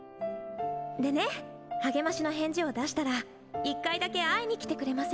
でね励ましの返事を出したら１回だけ会いに来てくれませんかって。